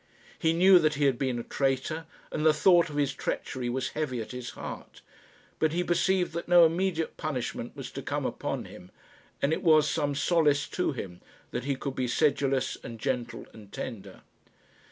He knew that he had been a traitor, and the thought of his treachery was heavy at his heart; but he perceived that no immediate punishment was to come upon him, and it was some solace to him that he could be sedulous and gentle and tender.